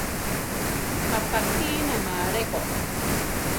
Apajínama aleko.